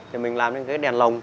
thì mình làm lên cái đèn lồng